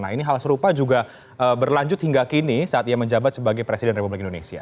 nah ini hal serupa juga berlanjut hingga kini saat ia menjabat sebagai presiden republik indonesia